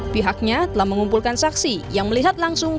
pihaknya telah mengumpulkan saksi yang melihat langsung